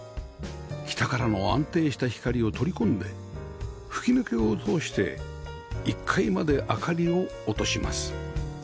北からの安定した光を取り込んで吹き抜けを通して１階まで明かりを落とします